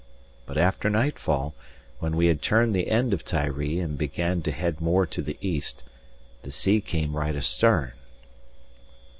But after nightfall, when we had turned the end of Tiree and began to head more to the east, the sea came right astern.